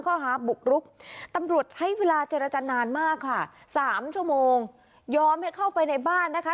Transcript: ข้อหาบุกรุกตำรวจใช้เวลาเจรจานานมากค่ะสามชั่วโมงยอมให้เข้าไปในบ้านนะคะ